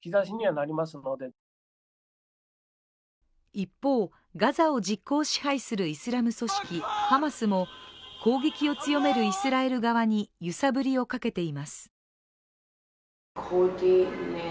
一方、ガザを実効支配するイスラム組織ハマスも攻撃を強めるイスラエル側に揺さぶりをかけています。